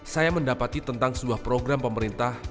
saya mendapati tentang sebuah program pemerintah